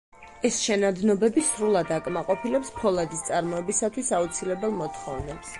ეს შენადნობები სრულად აკმაყოფილებს ფოლადის წარმოებისათვის აუცილებელ მოთხოვნებს.